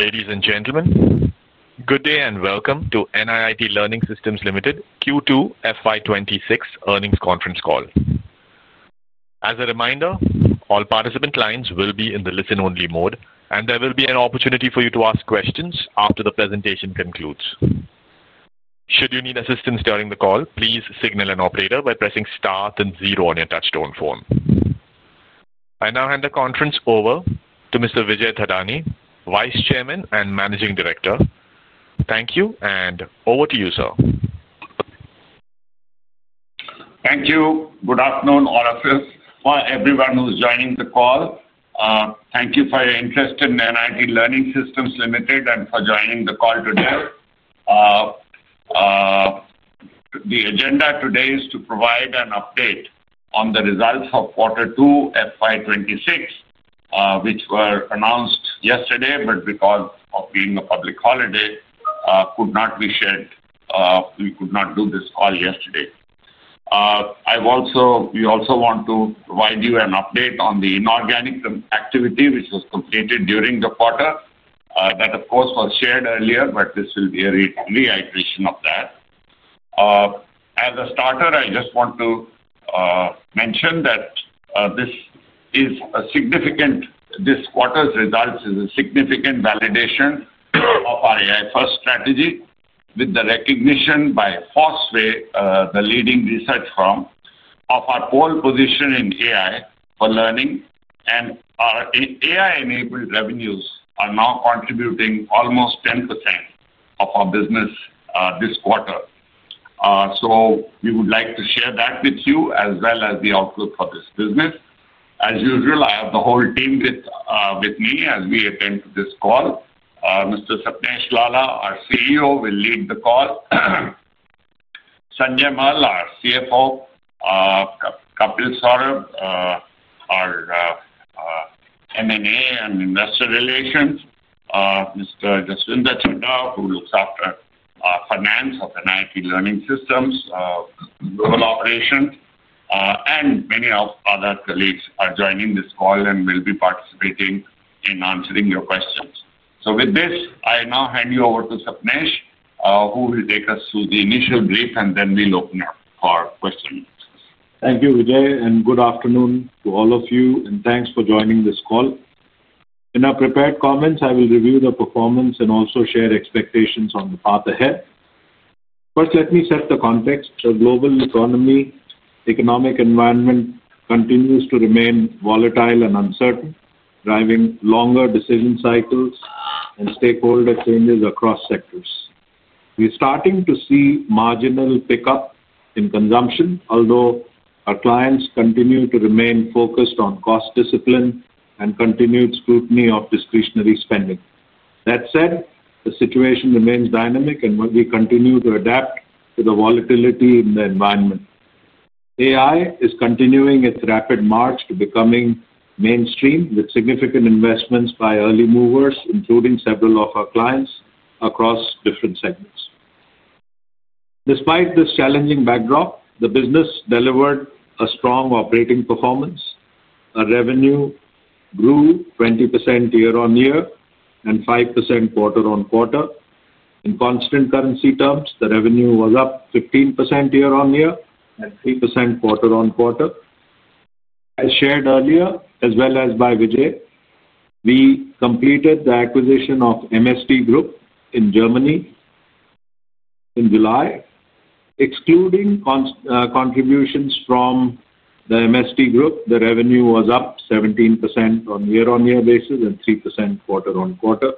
Ladies and gentlemen, good day and welcome to NIIT Learning Systems Limited Q2 FY2026 Earnings Conference Call. As a reminder, all participant lines will be in the listen-only mode, and there will be an opportunity for you to ask questions after the presentation concludes. Should you need assistance during the call, please signal an operator by pressing star then zero on your touchstone phone. I now hand the conference over to Mr. Vijay Thadani, Vice Chairman and Managing Director. Thank you, and over to you, sir. Thank you. Good afternoon, all of you. For everyone who's joining the call. Thank you for your interest in NIIT Learning Systems Limited and for joining the call today. The agenda today is to provide an update on the results of Quarter Two FY2026. Which were announced yesterday, but because of being a public holiday, could not be shared. We could not do this call yesterday. We also want to provide you an update on the inorganic activity which was completed during the quarter. That, of course, was shared earlier, but this will be a reiteration of that. As a starter, I just want to mention that this quarter's results is a significant validation of our AI-first strategy, with the recognition by Fosway, the leading research firm, of our pole position in AI for learning. And our AI-enabled revenues are now contributing almost 10% of our business. This quarter. We would like to share that with you as well as the outlook for this business. As usual, I have the whole team with me as we attend to this call. Mr. Sapnesh Lalla, our CEO, will lead the call. Sanjay Mall, our CFO. Kapil Saurabh, our M&A and investor relations. Mr. Jaswindra Chandra, who looks after finance of NIIT Learning Systems global operations. Many of our colleagues are joining this call and will be participating in answering your questions. With this, I now hand you over to Sapnesh, who will take us through the initial brief, and then we'll open up for questions. Thank you, Vijay, and good afternoon to all of you, and thanks for joining this call. In our prepared comments, I will review the performance and also share expectations on the path ahead. First, let me set the context. The global economic environment continues to remain volatile and uncertain, driving longer decision cycles and stakeholder changes across sectors. We're starting to see marginal pickup in consumption, although our clients continue to remain focused on cost discipline and continued scrutiny of discretionary spending. That said, the situation remains dynamic, and we continue to adapt to the volatility in the environment. AI is continuing its rapid march to becoming mainstream, with significant investments by early movers, including several of our clients across different segments. Despite this challenging backdrop, the business delivered a strong operating performance. Our revenue grew 20% year-on-year and 5% quarter-on-quarter. In constant currency terms, the revenue was up 15% year-on-year and 3% quarter-on-quarter. As shared earlier, as well as by Vijay. We completed the acquisition of MST Group in Germany in July. Excluding contributions from the MST Group, the revenue was up 17% on a year-on-year basis and 3% quarter-on-quarter.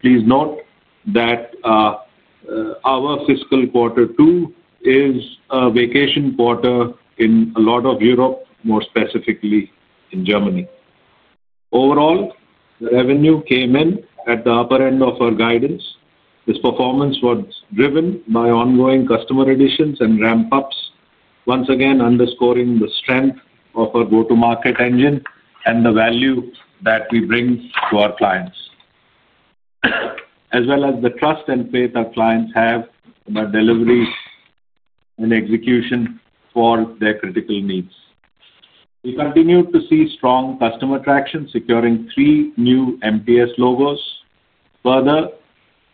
Please note that our fiscal Quarter Two is a vacation quarter in a lot of Europe, more specifically in Germany. Overall, the revenue came in at the upper end of our guidance. This performance was driven by ongoing customer additions and ramp-ups, once again underscoring the strength of our go-to-market engine and the value that we bring to our clients, as well as the trust and faith our clients have in our delivery and execution for their critical needs. We continued to see strong customer traction, securing three new MPS logos. Further,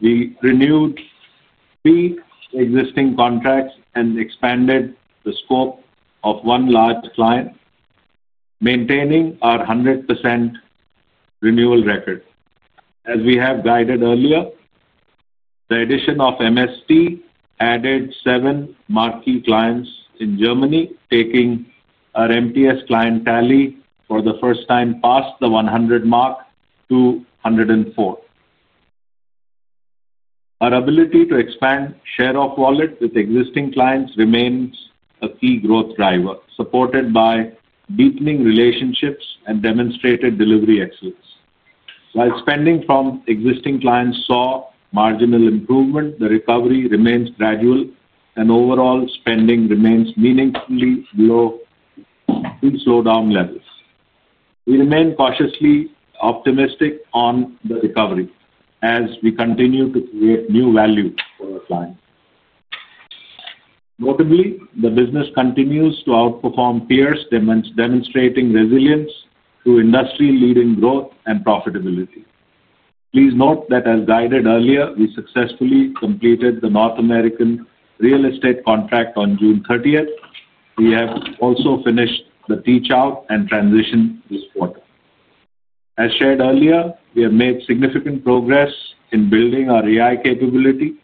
we renewed. Three existing contracts and expanded the scope of one large client. Maintaining our 100% renewal record. As we have guided earlier, the addition of MST added seven marquee clients in Germany, taking our MPS clientele for the first time past the 100 mark to 104. Our ability to expand share of wallet with existing clients remains a key growth driver, supported by deepening relationships and demonstrated delivery excellence. While spending from existing clients saw marginal improvement, the recovery remains gradual, and overall spending remains meaningfully below slowdown levels. We remain cautiously optimistic on the recovery as we continue to create new value for our clients. Notably, the business continues to outperform peers, demonstrating resilience to industry-leading growth and profitability. Please note that, as guided earlier, we successfully completed the North American real estate contract on June 30th. We have also finished the teach-out and transition this quarter. As shared earlier, we have made significant progress in building our AI capability.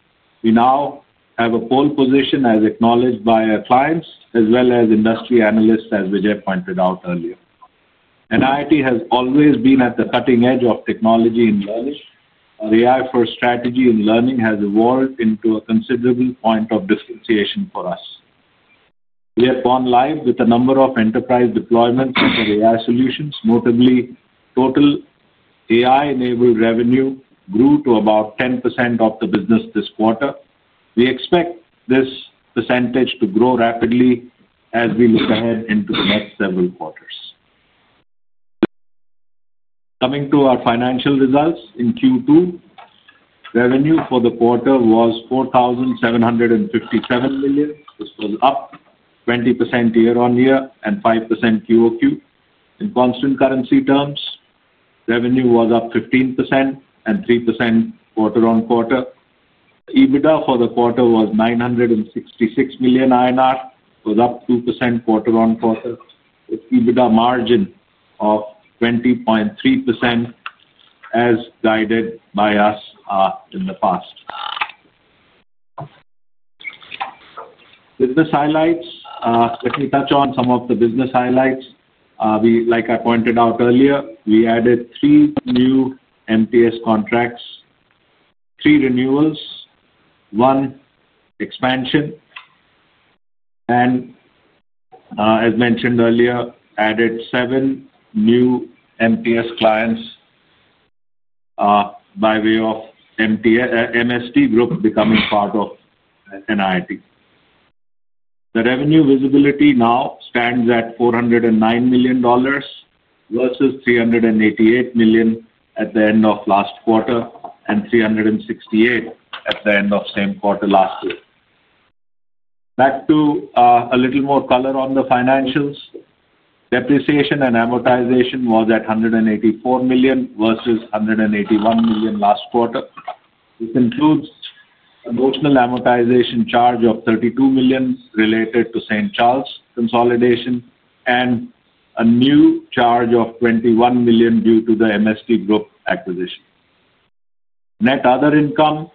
We now have a pole position, as acknowledged by our clients, as well as industry analysts, as Vijay pointed out earlier. NIIT has always been at the cutting edge of technology in learning. Our AI-first strategy in learning has evolved into a considerable point of differentiation for us. We have gone live with a number of enterprise deployments of our AI solutions. Notably, total AI-enabled revenue grew to about 10% of the business this quarter. We expect this percentage to grow rapidly as we look ahead into the next several quarters. Coming to our financial results in Q2. Revenue for the quarter was 4,757 million. This was up 20% year-on-year and 5% QOQ. In constant currency terms, revenue was up 15% and 3% quarter-on-quarter. EBITDA for the quarter was 966 million INR, was up 2% quarter-on-quarter, with EBITDA margin of 20.3%. As guided by us in the past. Business highlights. Let me touch on some of the business highlights. Like I pointed out earlier, we added three new MPS contracts. Three renewals. One expansion. As mentioned earlier, added seven new MPS clients by way of MST Group becoming part of NIIT. The revenue visibility now stands at $409 million versus $388 million at the end of last quarter and $368 million at the end of same quarter last year. Back to a little more color on the financials. Depreciation and amortization was at 184 million versus 181 million last quarter. This includes a notional amortization charge of 32 million related to St. Charles consolidation and a new charge of 21 million due to the MST Group acquisition. Net other income.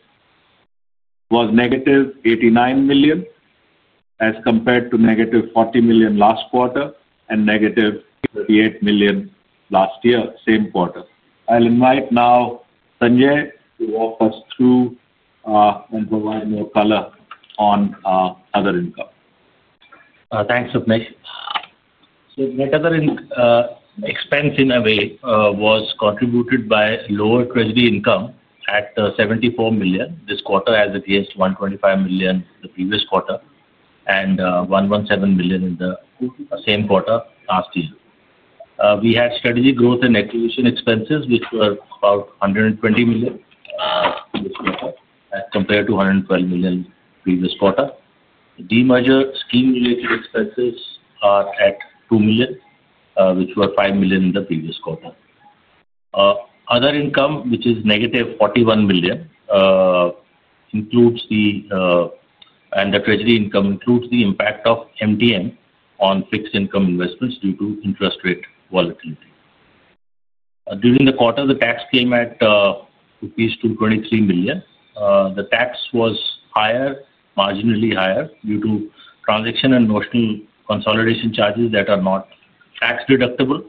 Was negative $89 million. As compared to negative $40 million last quarter and negative $38 million last year, same quarter. I'll invite now Sanjay to walk us through. Provide more color on other income. Thanks, Sapnesh. Net other expense, in a way, was contributed by lower treasury income at $74 million this quarter, as it is $125 million the previous quarter and $117 million in the same quarter last year. We had strategy growth and acquisition expenses, which were about $120 million this quarter, as compared to $112 million previous quarter. The major scheme-related expenses are at $2 million, which were $5 million in the previous quarter. Other income, which is negative $41 million. The treasury income includes the impact of MDM on fixed income investments due to interest rate volatility. During the quarter, the tax came at $223 million. The tax was higher, marginally higher, due to transaction and notional consolidation charges that are not tax deductible,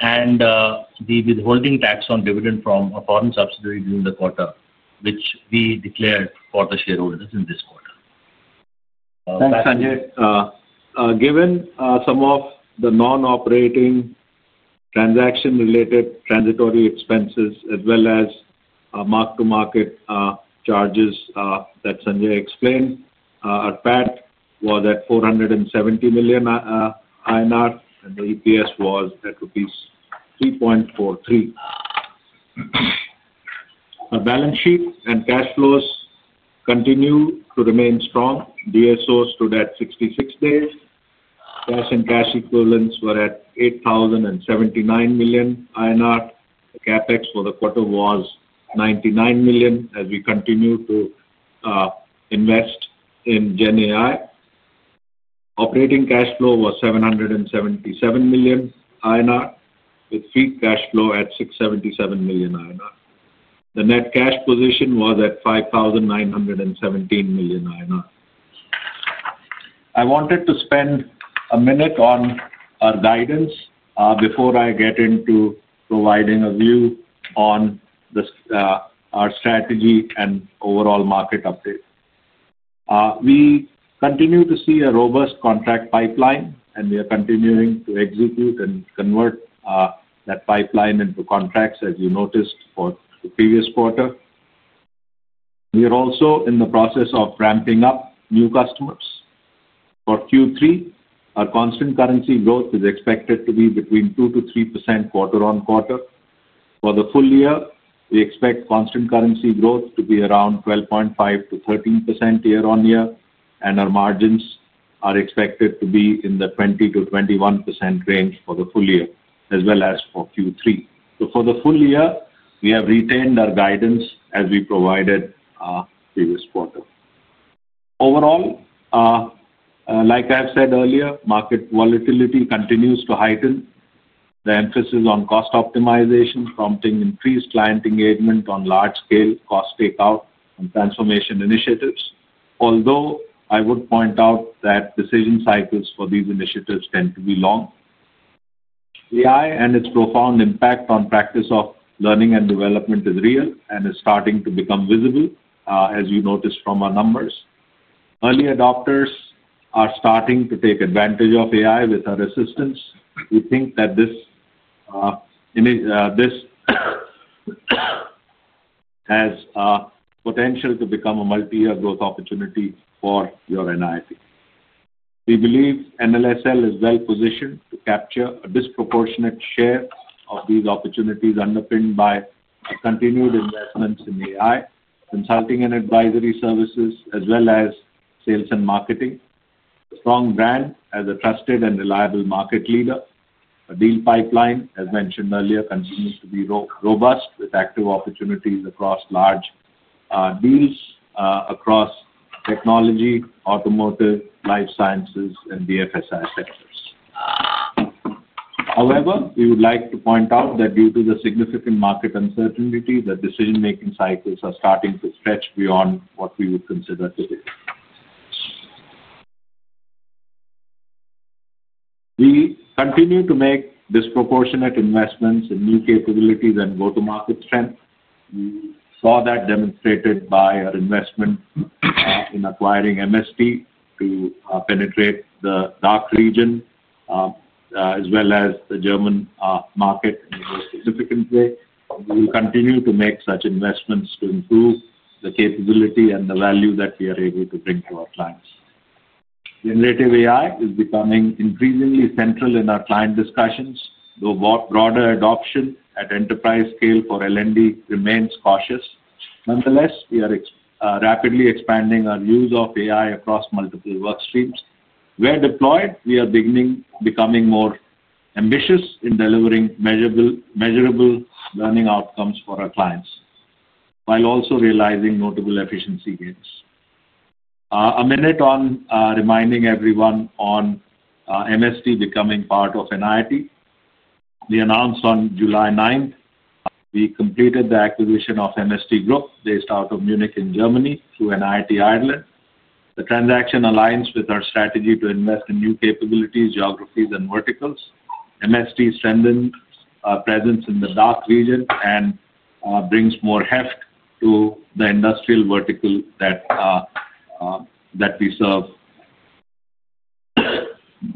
and the withholding tax on dividend from a foreign subsidiary during the quarter, which we declared for the shareholders in this quarter. Thanks, Sanjay. Given some of the non-operating, transaction-related transitory expenses, as well as mark-to-market charges that Sanjay explained, our PAT was at 470 million INR, and the EPS was at rupees 3.43. Our balance sheet and cash flows continue to remain strong. DSO stood at 66 days. Cash and cash equivalents were at 8,079 million INR. The CapEx for the quarter was 99 million, as we continue to invest in GenAI. Operating cash flow was 777 million INR, with free cash flow at 677 million INR. The net cash position was at 5,917 million INR. I wanted to spend a minute on our guidance before I get into providing a view on our strategy and overall market update. We continue to see a robust contract pipeline, and we are continuing to execute and convert that pipeline into contracts, as you noticed for the previous quarter. We are also in the process of ramping up new customers. For Q3, our constant currency growth is expected to be between 2%-3% quarter-on-quarter. For the full year, we expect constant currency growth to be around 12.5%-13% year-on-year, and our margins are expected to be in the 20%-21% range for the full year, as well as for Q3. For the full year, we have retained our guidance as we provided previous quarter. Overall, like I have said earlier, market volatility continues to heighten. The emphasis on cost optimization prompting increased client engagement on large-scale cost takeout and transformation initiatives, although I would point out that decision cycles for these initiatives tend to be long. AI and its profound impact on practice of learning and development is real and is starting to become visible, as you noticed from our numbers. Early adopters are starting to take advantage of AI with our assistance. We think that this has potential to become a multi-year growth opportunity for NIIT. We believe NLSL is well-positioned to capture a disproportionate share of these opportunities underpinned by continued investments in AI, consulting and advisory services, as well as sales and marketing. A strong brand as a trusted and reliable market leader. A deal pipeline, as mentioned earlier, continues to be robust with active opportunities across large deals across technology, automotive, life sciences, and DFSI sectors. However, we would like to point out that due to the significant market uncertainty, the decision-making cycles are starting to stretch beyond what we would consider today. We continue to make disproportionate investments in new capabilities and go-to-market strength. We saw that demonstrated by our investment in acquiring MST to penetrate the DACH region. As well as the German market in a more significant way. We will continue to make such investments to improve the capability and the value that we are able to bring to our clients. Generative AI is becoming increasingly central in our client discussions, though broader adoption at enterprise scale for L&D remains cautious. Nonetheless, we are rapidly expanding our use of AI across multiple workstreams. Where deployed, we are becoming more ambitious in delivering measurable learning outcomes for our clients, while also realizing notable efficiency gains. A minute on reminding everyone on MST becoming part of NIIT. We announced on July 9th, we completed the acquisition of MST Group based out of Munich in Germany through NIIT Ireland. The transaction aligns with our strategy to invest in new capabilities, geographies, and verticals. MST strengthens our presence in the DACH region and brings more heft to the industrial vertical that. We serve.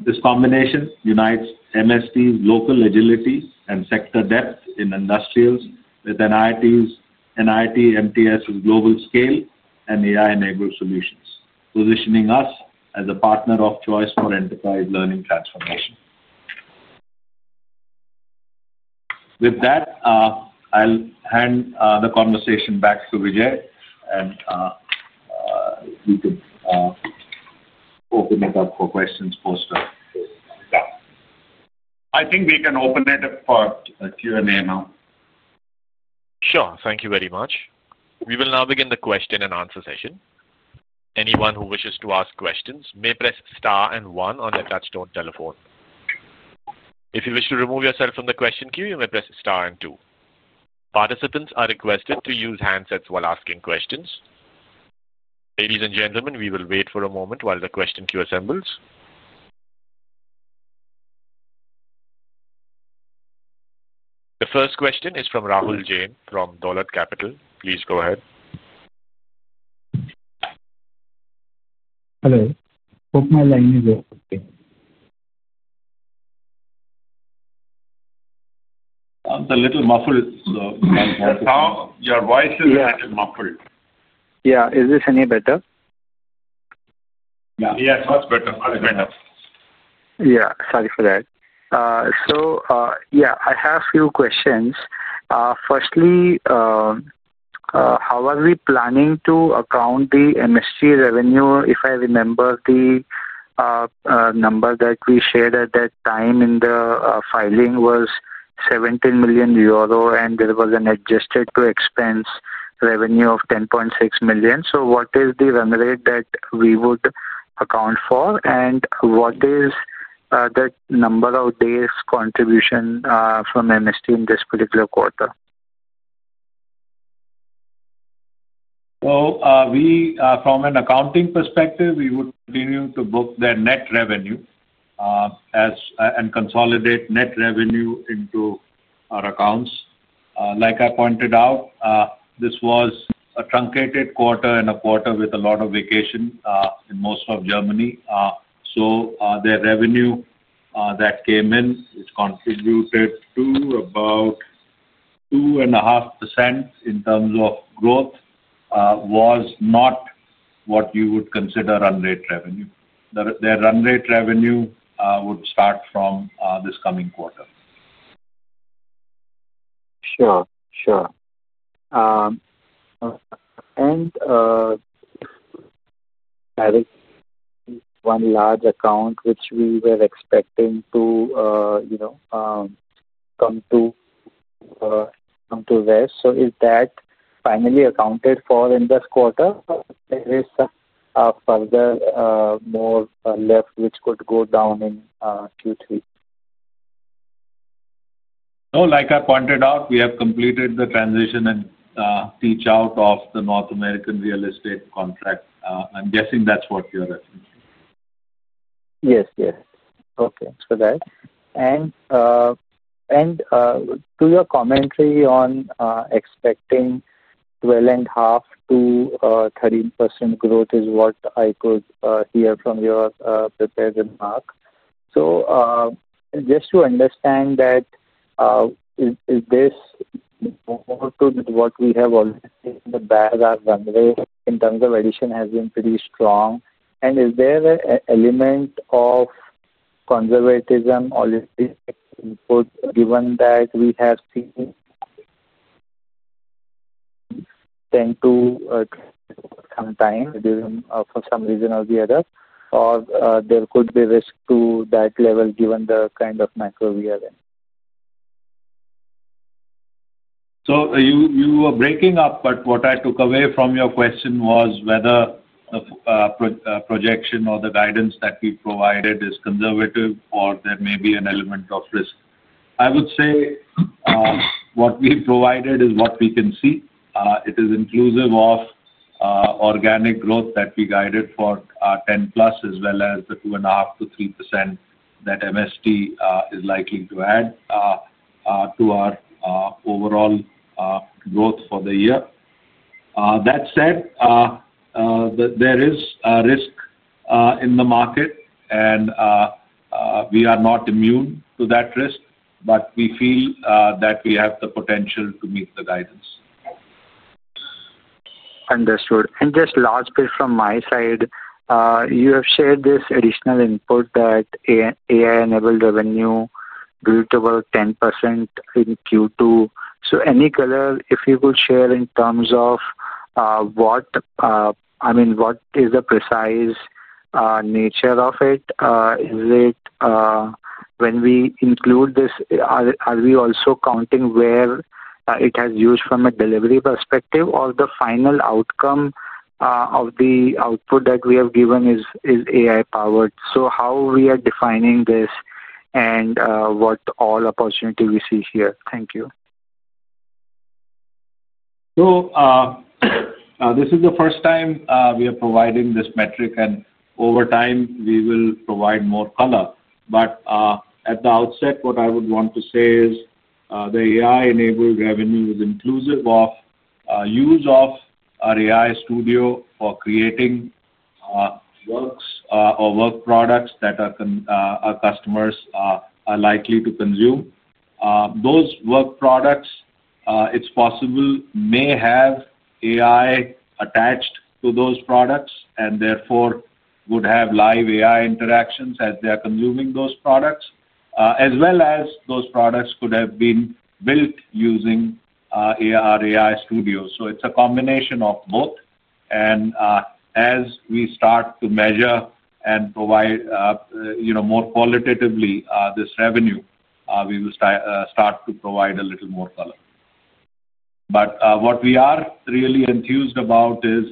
This combination unites MST's local agility and sector depth in industrials with NIIT MTS's global scale and AI-enabled solutions, positioning us as a partner of choice for enterprise learning transformation. With that, I'll hand the conversation back to Vijay. We could open it up for questions. I think we can open it up for Q&A now. Sure. Thank you very much. We will now begin the question-and-answer session. Anyone who wishes to ask questions may press Star and 1 on their touchstone telephone. If you wish to remove yourself from the question queue, you may press Star and 2. Participants are requested to use handsets while asking questions. Ladies and gentlemen, we will wait for a moment while the question queue assembles. The first question is from Rahul Jain from Dolat Capital. Please go ahead. Hello. Hope my line is okay. The little muffle is on. Your voice is a little muffled. Yeah. Is this any better? Yeah. It's much better. Yeah. Sorry for that. So yeah, I have a few questions. Firstly. How are we planning to account the MST revenue? If I remember the number that we shared at that time in the filing was 17 million euro, and there was an adjusted-to-expense revenue of 10.6 million. So what is the run rate that we would account for? And what is the number of days' contribution from MST in this particular quarter? From an accounting perspective, we would continue to book their net revenue and consolidate net revenue into our accounts. Like I pointed out, this was a truncated quarter and a quarter with a lot of vacation in most of Germany. The revenue that came in, which contributed to about 2.5% in terms of growth, was not what you would consider run rate revenue. Their run rate revenue would start from this coming quarter. Sure. There is one large account which we were expecting to come to rest. Is that finally accounted for in this quarter? Is there further more left which could go down in Q3? No. Like I pointed out, we have completed the transition and teach-out of the North American real estate contract. I'm guessing that's what you're referencing. Yes. Yes. Okay. To your commentary on expecting 12.5%-13% growth is what I could hear from your papers and Mark. Just to understand that, what we have already seen in the past, our run rate in terms of addition has been pretty strong. Is there an element of conservatism already input given that we have seen 10%-20% sometime for some reason or the other, or there could be risk to that level given the kind of macro we are in? You were breaking up, but what I took away from your question was whether the projection or the guidance that we provided is conservative or there may be an element of risk. I would say what we provided is what we can see. It is inclusive of organic growth that we guided for our 10-plus, as well as the 2.5%-3% that MST is likely to add to our overall growth for the year. That said, there is a risk in the market, and we are not immune to that risk, but we feel that we have the potential to meet the guidance. Understood. Just last bit from my side. You have shared this additional input that AI-enabled revenue grew to about 10% in Q2. Any color, if you could share in terms of what—I mean, what is the precise nature of it? Is it, when we include this, are we also counting where it has used from a delivery perspective, or the final outcome of the output that we have given is AI-powered? How are we defining this and what opportunity do we see here? Thank you. This is the first time we are providing this metric, and over time, we will provide more color. At the outset, what I would want to say is the AI-enabled revenue is inclusive of use of our AI Studio for creating works or work products that our customers are likely to consume. Those work products, it's possible, may have AI attached to those products and therefore would have live AI interactions as they are consuming those products, as well as those products could have been built using our AI Studio. It's a combination of both. As we start to measure and provide more qualitatively this revenue, we will start to provide a little more color. What we are really enthused about is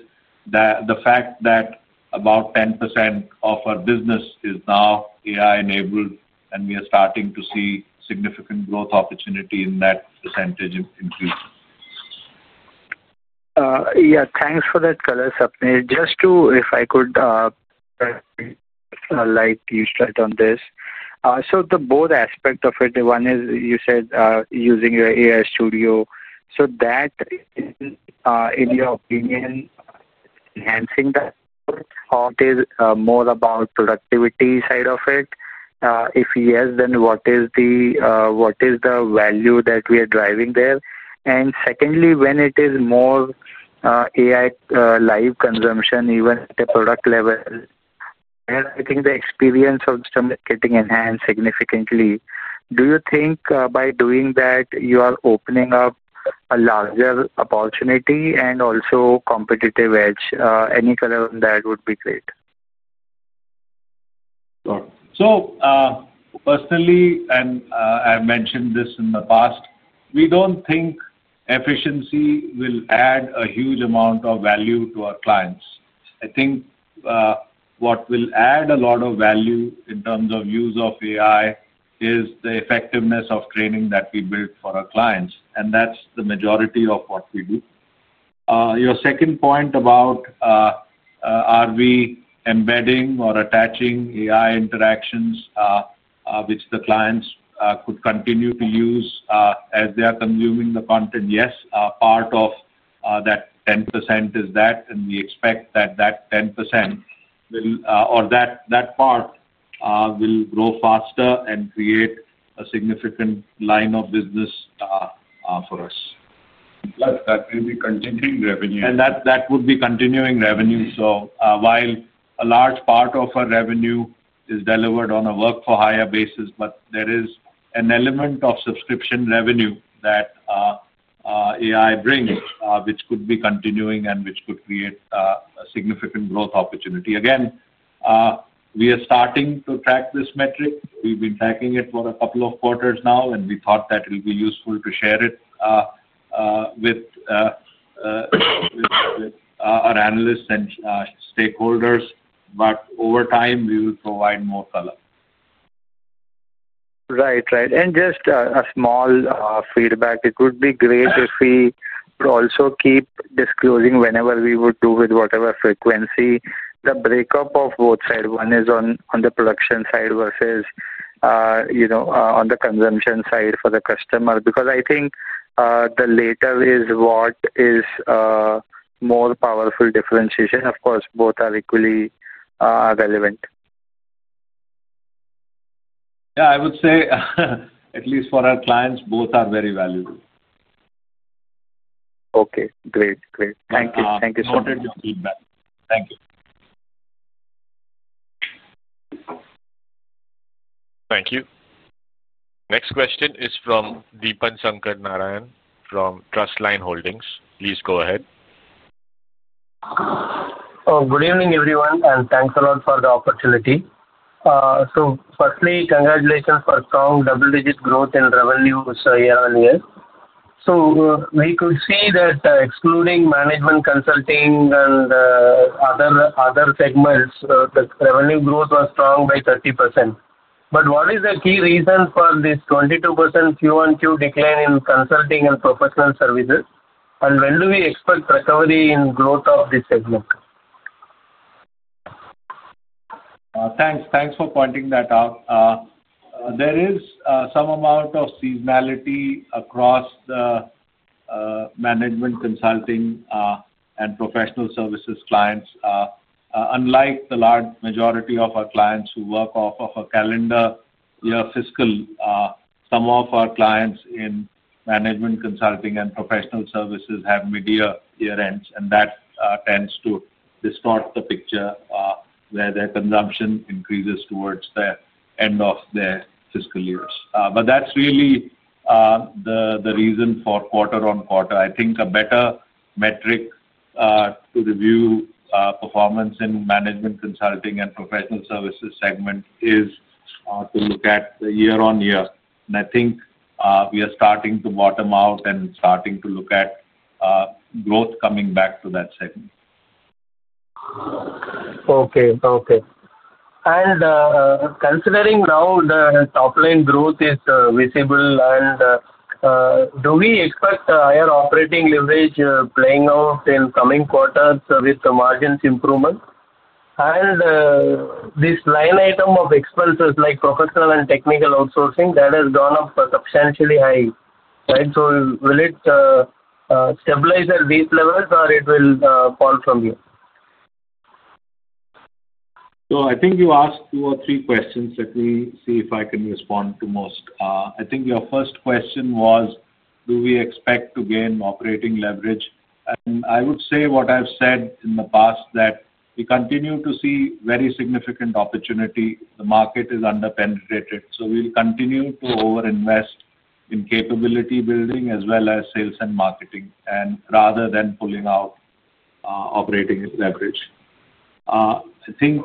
the fact that about 10% of our business is now AI-enabled, and we are starting to see significant growth opportunity in that percentage increase. Yeah. Thanks for that color, Sapnesh. Just to, if I could. Like you start on this. So the both aspects of it, one is you said using your AI Studio. So that. In your opinion. Enhancing that growth, or is it more about the productivity side of it? If yes, then what is the. Value that we are driving there? And secondly, when it is more. AI live consumption, even at the product level. I think the experience of systems getting enhanced significantly. Do you think by doing that, you are opening up a larger opportunity and also competitive edge? Any color on that would be great. Sure. Personally, and I've mentioned this in the past, we don't think efficiency will add a huge amount of value to our clients. I think what will add a lot of value in terms of use of AI is the effectiveness of training that we build for our clients. That's the majority of what we do. Your second point about are we embedding or attaching AI interactions, which the clients could continue to use as they are consuming the content? Yes. Part of that 10% is that, and we expect that that 10%, or that part, will grow faster and create a significant line of business for us. That may be continuing revenue. That would be continuing revenue. While a large part of our revenue is delivered on a work-for-hire basis, there is an element of subscription revenue that AI brings, which could be continuing and which could create a significant growth opportunity. Again, we are starting to track this metric. We have been tracking it for a couple of quarters now, and we thought that it would be useful to share it with our analysts and stakeholders. Over time, we will provide more color. Right. Right. Just a small feedback. It would be great if we could also keep disclosing, whenever we would do, with whatever frequency, the breakup of both sides. One is on the production side versus on the consumption side for the customer. Because I think the latter is what is more powerful differentiation. Of course, both are equally relevant. Yeah. I would say at least for our clients, both are very valuable. Okay. Great. Thank you. Thank you so much. I wanted to feedback. Thank you. Thank you. Next question is from Deepan Sankara Narayanan from Trustline Holdings. Please go ahead. Good evening, everyone, and thanks a lot for the opportunity. Firstly, congratulations for strong double-digit growth in revenues year on year. We could see that excluding management consulting and other segments, the revenue growth was strong by 30%. What is the key reason for this 22% Q1-Q decline in consulting and professional services? When do we expect recovery in growth of this segment? Thanks. Thanks for pointing that out. There is some amount of seasonality across the management consulting and professional services clients. Unlike the large majority of our clients who work off of a calendar year fiscal, some of our clients in management consulting and professional services have mid-year year-ends, and that tends to distort the picture where their consumption increases towards the end of their fiscal years. That is really the reason for quarter-on-quarter. I think a better metric to review performance in management consulting and professional services segment is to look at the year-on-year. I think we are starting to bottom out and starting to look at growth coming back to that segment. Okay. Okay. Considering now the top-line growth is visible, do we expect higher operating leverage playing out in coming quarters with the margins improvement? This line item of expenses like professional and technical outsourcing, that has gone up substantially high, right? Will it stabilize at these levels, or will it fall from here? I think you asked two or three questions. Let me see if I can respond to most. I think your first question was, do we expect to gain operating leverage? I would say what I've said in the past, that we continue to see very significant opportunity. The market is underpenetrated. We will continue to over-invest in capability building as well as sales and marketing, rather than pulling out. Operating leverage. I think.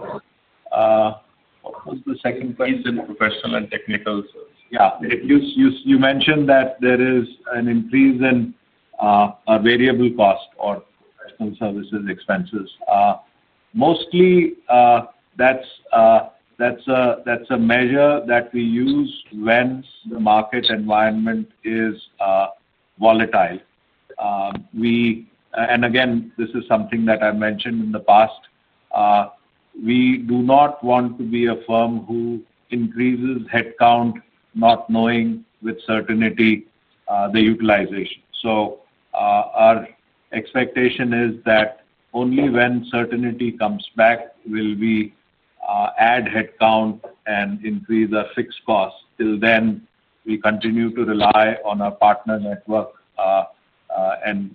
What was the second question? Professional and technical services. Yeah. You mentioned that there is an increase in variable cost or professional services expenses. Mostly, that's a measure that we use when the market environment is volatile. Again, this is something that I've mentioned in the past. We do not want to be a firm who increases headcount not knowing with certainty the utilization. Our expectation is that only when certainty comes back will we add headcount and increase our fixed cost. Till then, we continue to rely on our partner network and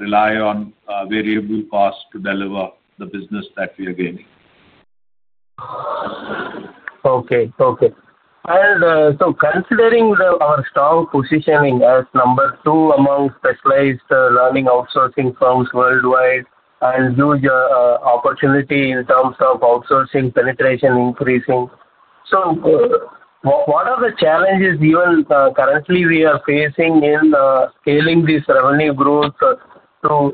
rely on variable cost to deliver the business that we are gaining. Okay. Okay. Considering our strong positioning as number two among specialized learning outsourcing firms worldwide and huge opportunity in terms of outsourcing penetration increasing, what are the challenges even currently we are facing in scaling this revenue growth to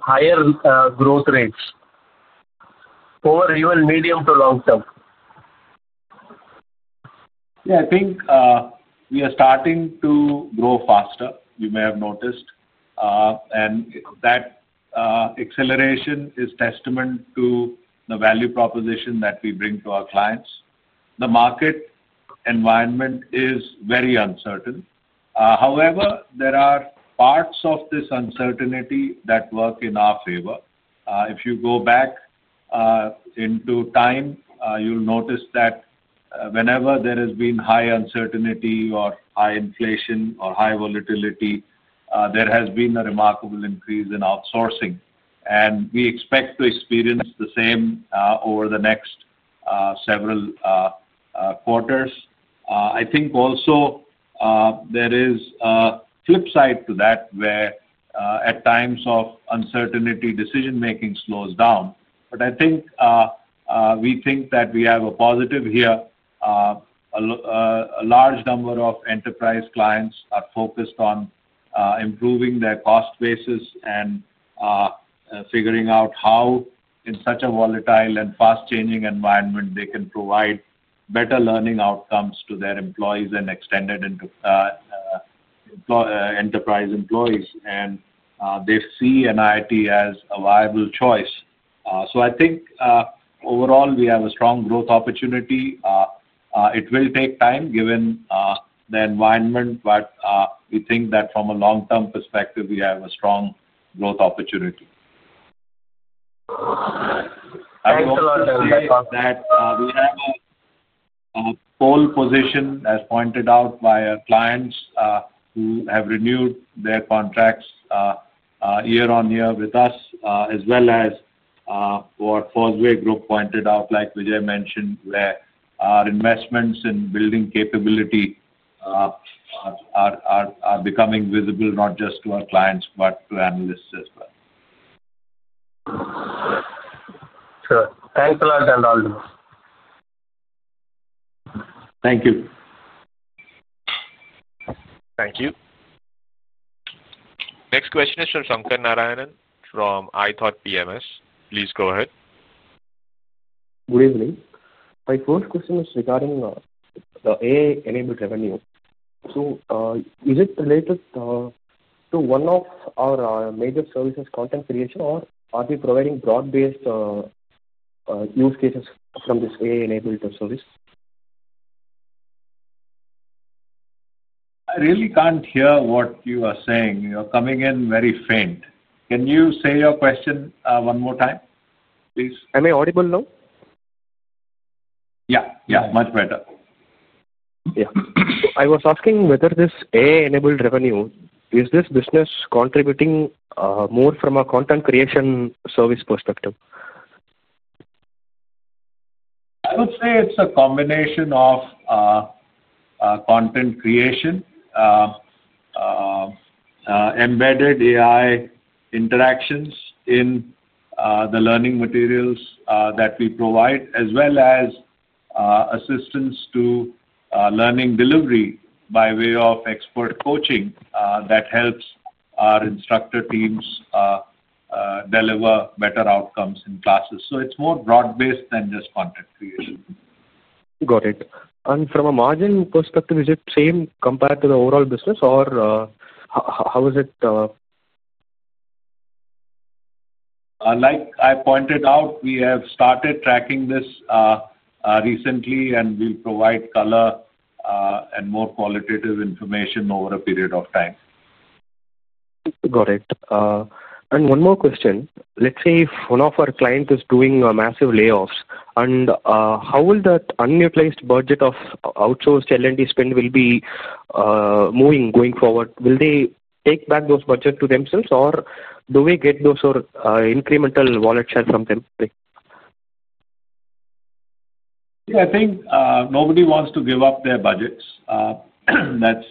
higher growth rates? Over even medium to long term? Yeah. I think we are starting to grow faster, you may have noticed. That acceleration is testament to the value proposition that we bring to our clients. The market environment is very uncertain. However, there are parts of this uncertainty that work in our favor. If you go back into time, you'll notice that whenever there has been high uncertainty or high inflation or high volatility, there has been a remarkable increase in outsourcing. We expect to experience the same over the next several quarters. I think also there is a flip side to that where at times of uncertainty, decision-making slows down. I think we think that we have a positive here. A large number of enterprise clients are focused on improving their cost basis and. Figuring out how in such a volatile and fast-changing environment they can provide better learning outcomes to their employees and extended enterprise employees. They see NIIT as a viable choice. I think overall, we have a strong growth opportunity. It will take time given the environment, but we think that from a long-term perspective, we have a strong growth opportunity. Thanks a lot, Sapnesh We have a pole position, as pointed out by our clients who have renewed their contracts year on year with us, as well as what Fosway Group pointed out, like Vijay mentioned, where our investments in building capability are becoming visible not just to our clients but to analysts as well. Sure. Thanks a lot, Sapnesh. Thank you. Thank you. Next question is from Sankaranarayanan S from IThought PMS. Please go ahead. Good evening. My first question is regarding the AI-enabled revenue. Is it related to one of our major services, content creation, or are we providing broad-based use cases from this AI-enabled service? I really can't hear what you are saying. You're coming in very faint. Can you say your question one more time, please? Am I audible now? Yeah. Yeah. Much better. Yeah. I was asking whether this AI-enabled revenue, is this business contributing more from a content creation service perspective? I would say it's a combination of content creation, embedded AI interactions in the learning materials that we provide, as well as assistance to learning delivery by way of expert coaching that helps our instructor teams deliver better outcomes in classes. It is more broad-based than just content creation. Got it. From a margin perspective, is it same compared to the overall business, or how is it? Like I pointed out, we have started tracking this recently, and we'll provide color and more qualitative information over a period of time. Got it. One more question. Let's say one of our clients is doing massive layoffs, how will that unutilized budget of outsourced L&D spend move forward? Will they take back those budgets to themselves, or do we get those incremental wallet share from them? Yeah. I think nobody wants to give up their budgets. That's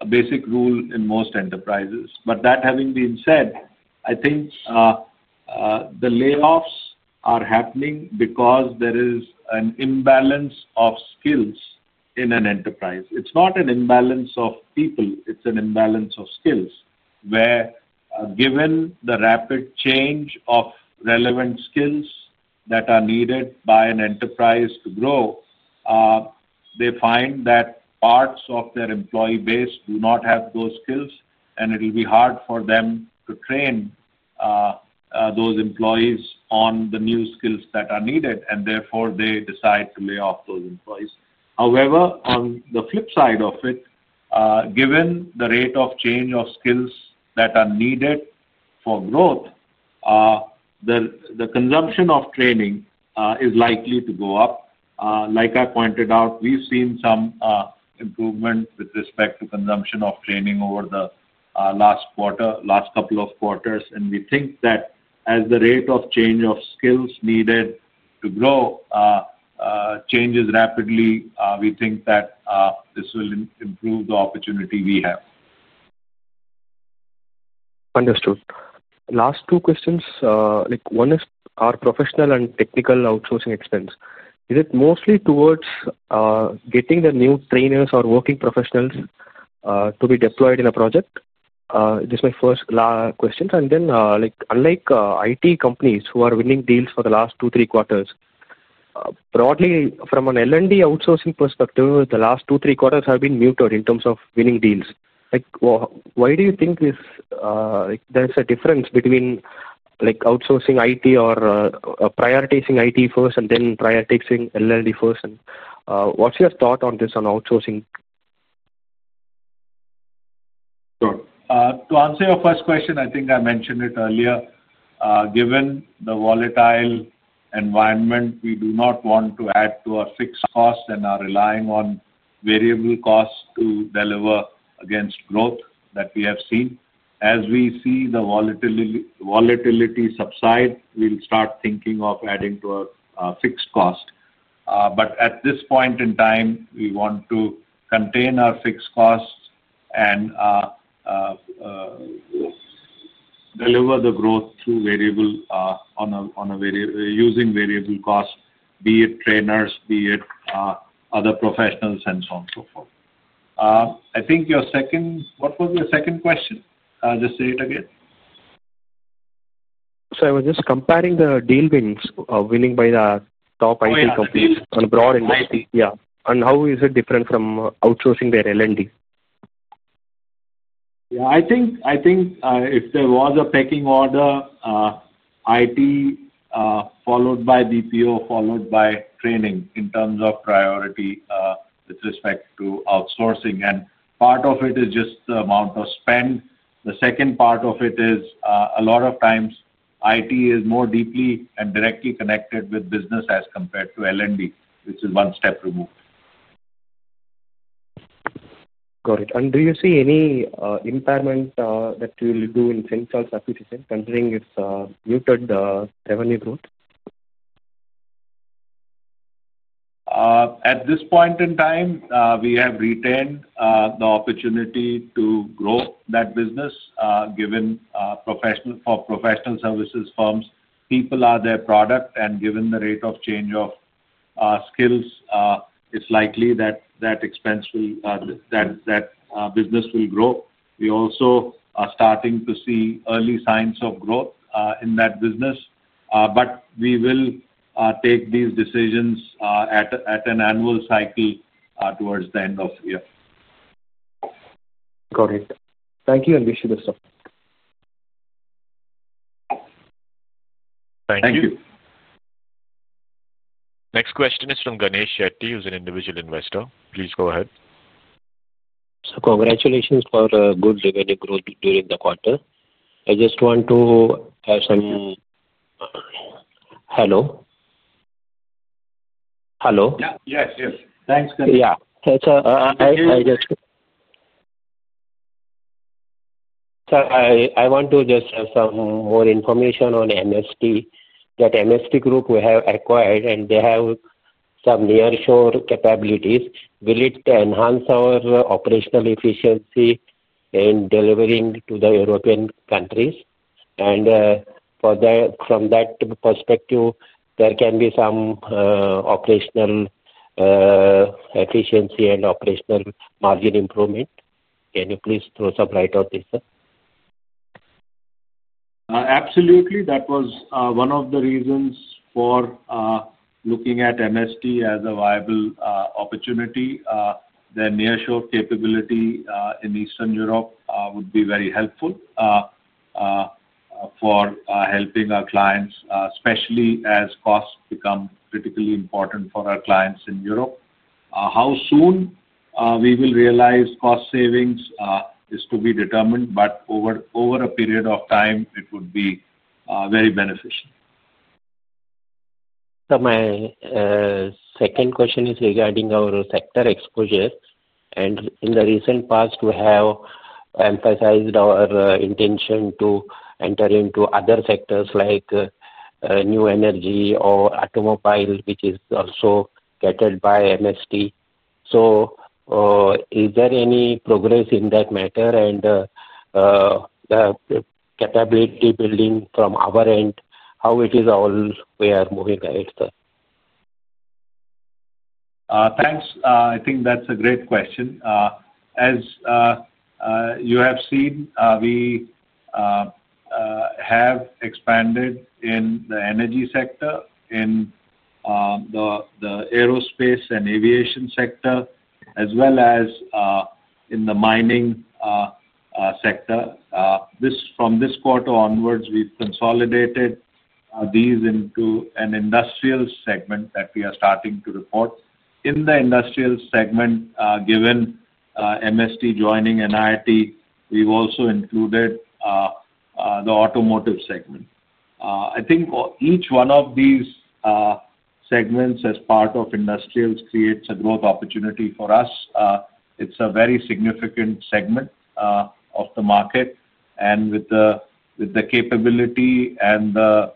a basic rule in most enterprises. That having been said, I think the layoffs are happening because there is an imbalance of skills in an enterprise. It's not an imbalance of people. It's an imbalance of skills where, given the rapid change of relevant skills that are needed by an enterprise to grow, they find that parts of their employee base do not have those skills, and it will be hard for them to train those employees on the new skills that are needed, and therefore they decide to lay off those employees. However, on the flip side of it, given the rate of change of skills that are needed for growth, the consumption of training is likely to go up. Like I pointed out, we've seen some improvement with respect to consumption of training over the last couple of quarters. We think that as the rate of change of skills needed to grow changes rapidly, we think that this will improve the opportunity we have. Understood. Last two questions. One is our professional and technical outsourcing expense. Is it mostly towards getting the new trainers or working professionals to be deployed in a project? This is my first question. Unlike IT companies who are winning deals for the last two, three quarters, broadly, from an L&D outsourcing perspective, the last two, three quarters have been muted in terms of winning deals. Why do you think this is? There is a difference between outsourcing IT or prioritizing IT first and then prioritizing L&D first? What is your thought on this on outsourcing? Sure. To answer your first question, I think I mentioned it earlier. Given the volatile environment, we do not want to add to our fixed costs and are relying on variable costs to deliver against growth that we have seen. As we see the volatility subside, we will start thinking of adding to our fixed cost. At this point in time, we want to contain our fixed costs and deliver the growth through using variable costs, be it trainers, be it other professionals, and so on and so forth. I think your second—what was your second question? Just say it again. I was just comparing the deal wins or winning by the top IT companies on a broad industry. Yeah. How is it different from outsourcing their L&D? Yeah. I think. If there was a pecking order, IT, followed by DPO, followed by training in terms of priority with respect to outsourcing. Part of it is just the amount of spend. The second part of it is, a lot of times, IT is more deeply and directly connected with business as compared to L&D, which is one step removed. Got it. Do you see any impairment that you will do in Sentinel Subsidy Consulting, considering its muted revenue growth? At this point in time, we have retained the opportunity to grow that business. For professional services firms, people are their product. And given the rate of change of skills, it's likely that that expense will—that business will grow. We also are starting to see early signs of growth in that business. We will take these decisions at an annual cycle towards the end of the year. Got it. Thank you, and wish you the best of luck. Thank you. Thank you. Next question is from Ganesh Shetty, who's an individual investor. Please go ahead. Congratulations for good revenue growth during the quarter. I just want to have some— Hello. Hello? Yes. Yes. Thanks, Ganesh. Yeah. I want to just have some more information on MST. That MST Group, we have acquired, and they have some nearshore capabilities. Will it enhance our operational efficiency in delivering to the European countries? From that perspective, there can be some operational efficiency and operational margin improvement. Can you please throw some light on this? Absolutely. That was one of the reasons for looking at MST as a viable opportunity. The nearshore capability in Eastern Europe would be very helpful for helping our clients, especially as costs become critically important for our clients in Europe. How soon we will realize cost savings is to be determined, but over a period of time, it would be very beneficial. My second question is regarding our sector exposure. In the recent past, we have emphasized our intention to enter into other sectors like new energy or automobile, which is also catered by MST. Is there any progress in that matter? The capability building from our end, how it is all we are moving ahead? Thanks. I think that's a great question. As you have seen, we have expanded in the energy sector, in the aerospace and aviation sector, as well as in the mining sector. From this quarter onwards, we've consolidated these into an industrial segment that we are starting to report. In the industrial segment, given MST joining NIIT, we've also included the automotive segment. I think each one of these segments as part of industrials creates a growth opportunity for us. It's a very significant segment of the market. With the capability and the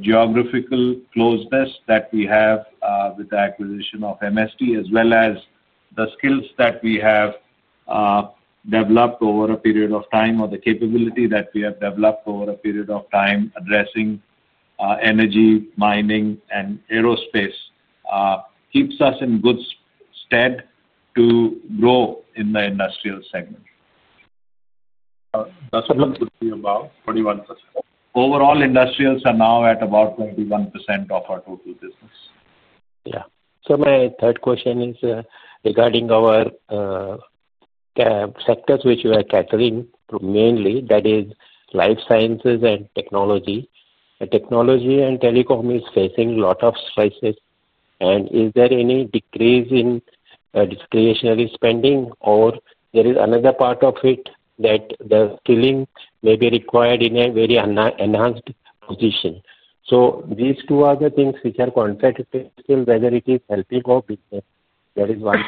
geographical closeness that we have with the acquisition of MST, as well as the skills that we have developed over a period of time, or the capability that we have developed over a period of time addressing energy, mining, and aerospace, keeps us in good stead to grow in the industrial segment. That's what it would be about, 41%. Overall, industrials are now at about 21% of our total business. Yeah. My third question is regarding our sectors which we are catering mainly, that is life sciences and technology. Technology and telecom is facing a lot of stresses. Is there any decrease in discretionary spending, or there is another part of it that the skilling may be required in a very enhanced position? These two are things which are contradictory, whether it is helping our business, that is one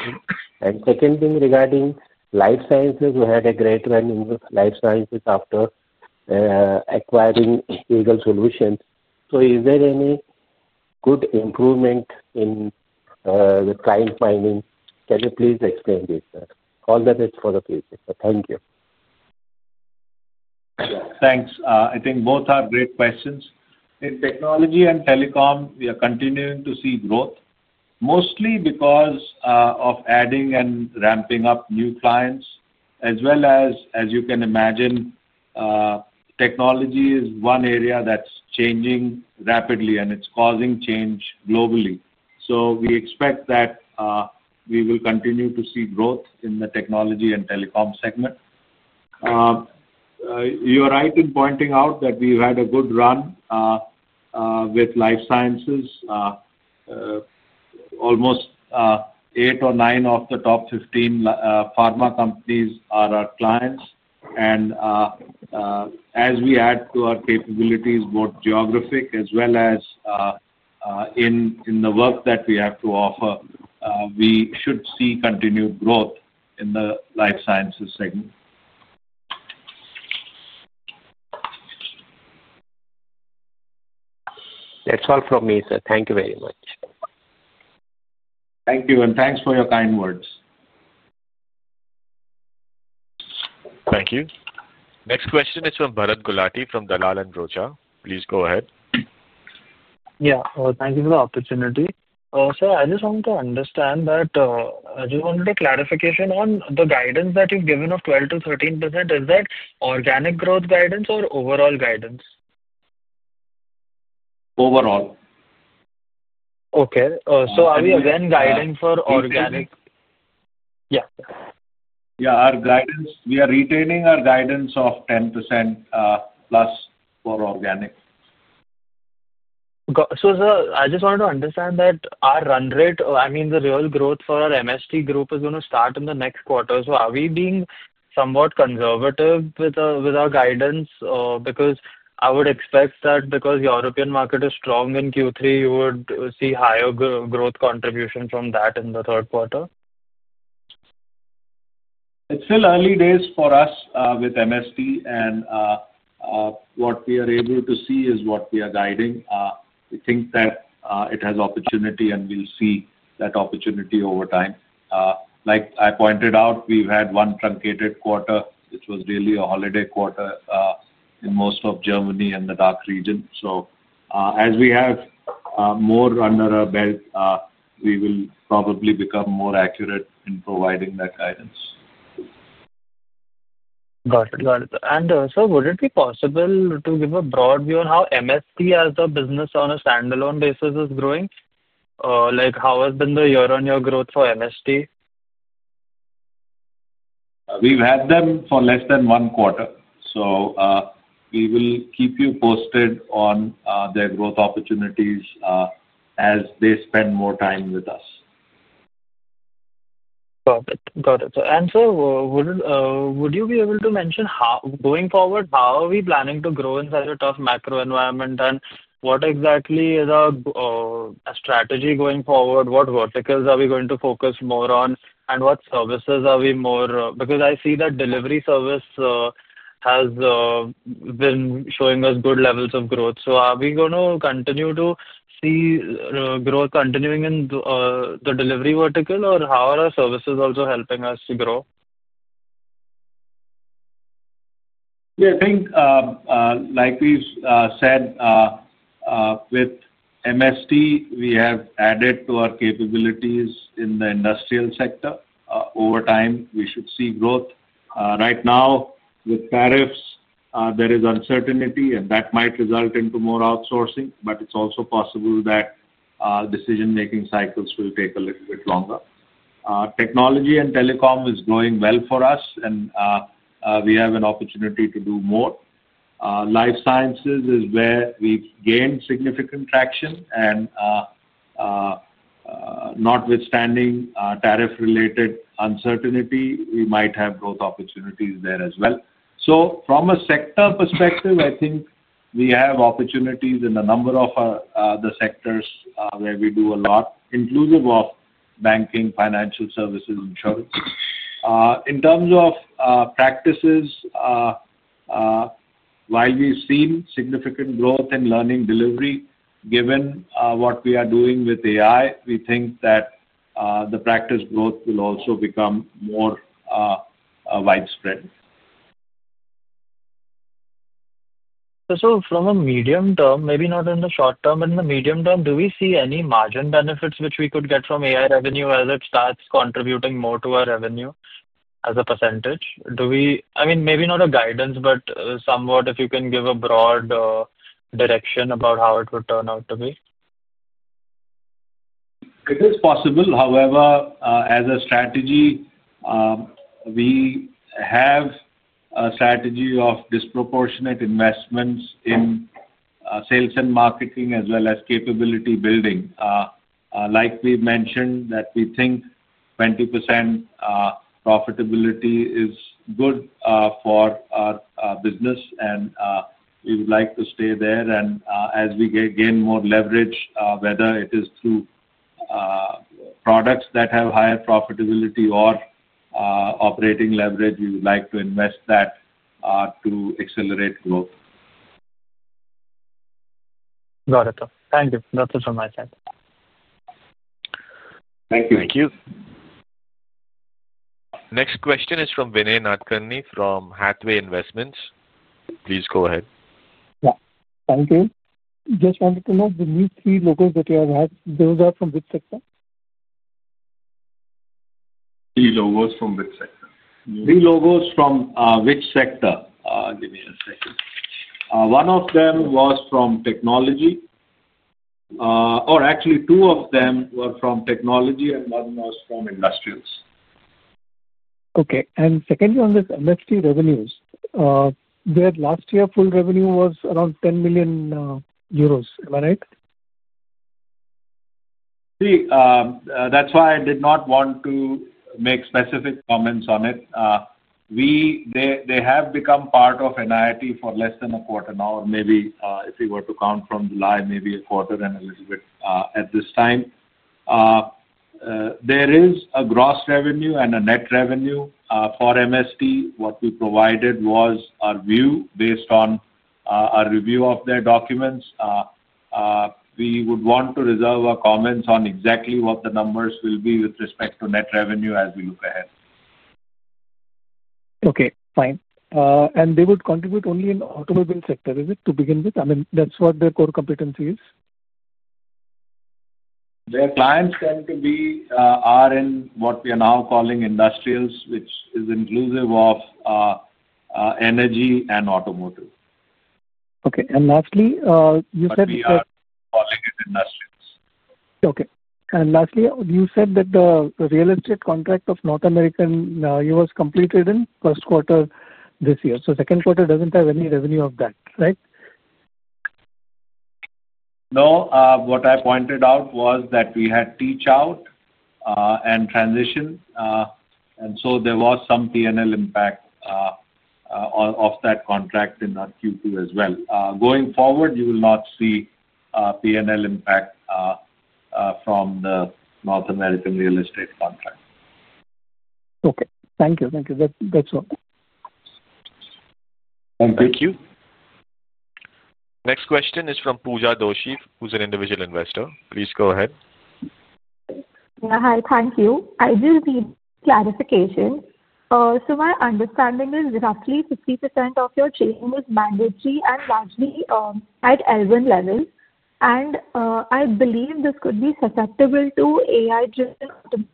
thing. Second thing regarding life sciences, we had a great run in life sciences after acquiring Legal Solutions. Is there any good improvement in the client mining? Can you please explain this? All that is for the future. Thank you. Thanks. I think both are great questions. In technology and telecom, we are continuing to see growth, mostly because of adding and ramping up new clients, as well as, as you can imagine. Technology is one area that's changing rapidly, and it's causing change globally. We expect that we will continue to see growth in the technology and telecom segment. You're right in pointing out that we've had a good run with life sciences. Almost eight or nine of the top 15 pharma companies are our clients. As we add to our capabilities, both geographic as well as in the work that we have to offer, we should see continued growth in the life sciences segment. That's all from me, sir. Thank you very much. Thank you. Thank you for your kind words. Thank you. Next question is from Varun Gulati from Dalal & Broacha. Please go ahead. Yeah. Thank you for the opportunity. Sir, I just wanted to understand that. I just wanted a clarification on the guidance that you've given of 12-13%. Is that organic growth guidance or overall guidance? Overall. Okay. So are we again guiding for organic? Yeah. Yeah. We are retaining our guidance of 10%+ for organic. Sir, I just wanted to understand that our run rate, I mean, the real growth for our MST Group is going to start in the next quarter. Are we being somewhat conservative with our guidance? Because I would expect that because the European market is strong in Q3, you would see higher growth contribution from that in the third quarter. It's still early days for us with MST, and what we are able to see is what we are guiding. We think that it has opportunity, and we'll see that opportunity over time. Like I pointed out, we've had one truncated quarter, which was really a holiday quarter in most of Germany and the DACH region. As we have more under our belt, we will probably become more accurate in providing that guidance. Got it. Got it. Sir, would it be possible to give a broad view on how MST as a business on a standalone basis is growing? How has been the year-on-year growth for MST? We've had them for less than one quarter. We will keep you posted on their growth opportunities as they spend more time with us. Got it. Got it. Sir, would you be able to mention going forward how are we planning to grow inside a tough macro environment? What exactly is our strategy going forward? What verticals are we going to focus more on? What services are we more—because I see that delivery service has been showing us good levels of growth. Are we going to continue to see growth continuing in the delivery vertical, or how are our services also helping us to grow? Yeah. I think. Like we've said. With MST, we have added to our capabilities in the industrial sector. Over time, we should see growth. Right now, with tariffs, there is uncertainty, and that might result in more outsourcing. It is also possible that decision-making cycles will take a little bit longer. Technology and telecom is growing well for us, and we have an opportunity to do more. Life sciences is where we've gained significant traction. Notwithstanding tariff-related uncertainty, we might have growth opportunities there as well. From a sector perspective, I think we have opportunities in a number of the sectors where we do a lot, inclusive of banking, financial services, insurance. In terms of practices, while we've seen significant growth in learning delivery, given what we are doing with AI, we think that the practice growth will also become more widespread. From a medium term, maybe not in the short term, but in the medium term, do we see any margin benefits which we could get from AI revenue as it starts contributing more to our revenue as a percentage? I mean, maybe not a guidance, but somewhat if you can give a broad direction about how it would turn out to be. It is possible. However, as a strategy, we have a strategy of disproportionate investments in sales and marketing as well as capability building. Like we mentioned, we think 20% profitability is good for our business, and we would like to stay there. As we gain more leverage, whether it is through products that have higher profitability or operating leverage, we would like to invest that to accelerate growth. Got it. Thank you. That's it from my side. Thank you. Thank you. Next question is from Vinay Nadkarni from Hathway Investments. Please go ahead. Yeah. Thank you. Just wanted to know the new three logos that you have had, those are from which sector? Three logos from which sector? Give me a second. One of them was from technology, or actually two of them were from technology, and one was from industrials. Okay. Secondly, on this MST revenues, we had last year full revenue was around 10 million euros. Am I right? See, that's why I did not want to make specific comments on it. They have become part of NIIT for less than a quarter now, or maybe if we were to count from July, maybe a quarter and a little bit at this time. There is a gross revenue and a net revenue for MST. What we provided was our view based on our review of their documents. We would want to reserve our comments on exactly what the numbers will be with respect to net revenue as we look ahead. Okay. Fine. They would contribute only in automobile sector, is it, to begin with? I mean, that's what their core competency is. Their clients tend to be in what we are now calling industrials, which is inclusive of energy and automotive. Okay. Lastly, you said that. We are calling it industrials. Okay. Lastly, you said that the real estate contract of North America, it was completed in first quarter this year. Second quarter does not have any revenue of that, right? No. What I pointed out was that we had teach-out and transition. And so there was some P&L impact of that contract in Q2 as well. Going forward, you will not see P&L impact from the North American real estate contract. Okay. Thank you. Thank you. That's all. Thank you. Thank you. Next question is from Pooja Doshee, who's an individual investor. Please go ahead. Hi. Thank you. I do need clarification. My understanding is roughly 50% of your training is mandatory and largely at L1 level. I believe this could be susceptible to AI-driven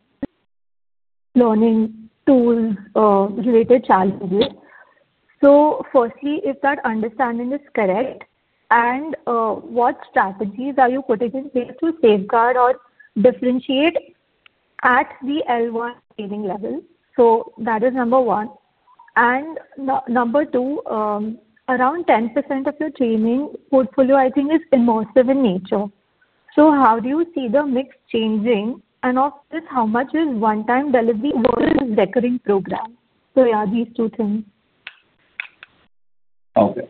learning tools-related challenges. Firstly, if that understanding is correct, what strategies are you putting in place to safeguard or differentiate at the L1 training level? That is number one. Number two, around 10% of your training portfolio, I think, is immersive in nature. How do you see the mix changing? Of this, how much is one-time delivery versus recurring program? Yeah, these two things. Okay.